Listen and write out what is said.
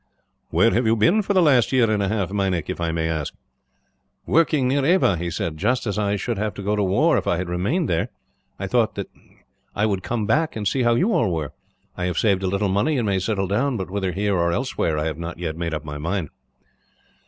"Where have you been for the last year and half, Meinik, if I may ask?" "Working near Ava," he said; "but as I should have to go to war if I had remained there, I thought that I would come back, and see how you all were. I have saved a little money, and may settle down; but whether here or elsewhere I have not yet made up my mind."